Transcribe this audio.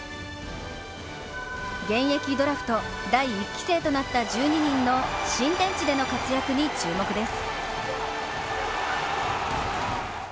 現役ドラフト第１期生となった１２人の新天地での活躍に注目です。